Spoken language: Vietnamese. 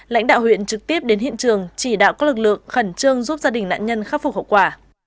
lãnh đạo huyện trực tiếp đến hiện trường chỉ đạo các lực lượng khẩn trương giúp gia đình nạn nhân khắc phục hậu quả